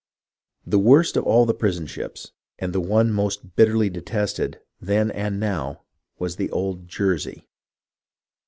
The worst of all the prison ships and the one most bitterly detested then and now was the old Jersey.